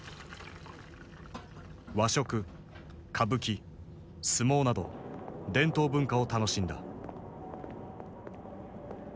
和食歌舞伎相撲など伝統文化を楽しんだ。